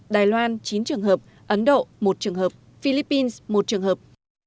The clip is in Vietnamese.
đài loan chín trường hợp ấn độ một trường hợp philippines một trường hợp